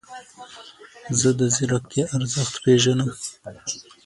زه د ځیرکتیا ارزښت پیژنم.